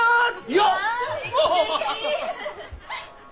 よっ！